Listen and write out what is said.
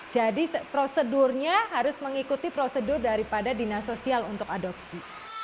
jadi prosedurnya harus mengikuti prosedur daripada dina sosial untuk adopsi